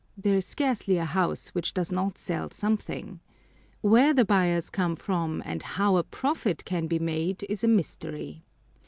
There is scarcely a house which does not sell something. Where the buyers come from, and how a profit can be made, is a mystery.